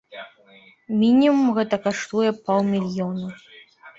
Мінімум гэта каштуе паўмільёна.